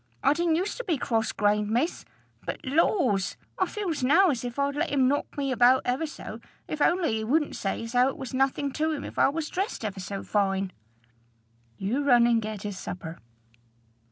I didn't use to be cross grained, miss. But, laws! I feels now as if I'd let him knock me about ever so, if only he wouldn't say as how it was nothing to him if I was dressed ever so fine." "You run and get his supper."